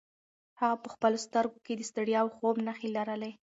هغه په خپلو سترګو کې د ستړیا او خوب نښې لرلې.